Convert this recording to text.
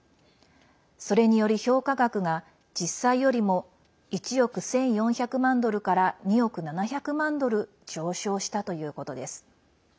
それにより評価額が実際よりも１億１４００万ドルから２億７００万ドル上昇したということです。